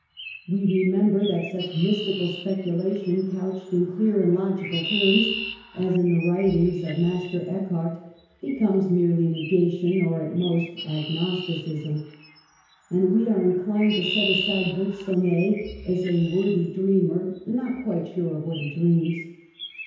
We remember that such mystical spec ulation, couched in clear and logical terms (as in the writings of Master Eckhart), becomes merely Negation, or, at most. Agnosticism. And we are inclined to set aside Bri^onnet as a wor thy dreamer, not quite sure of that he dreams.